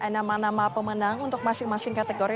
nama nama pemenang untuk masing masing kategori